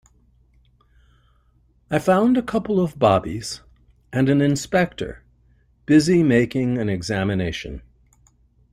I found a couple of bobbies and an inspector busy making an examination.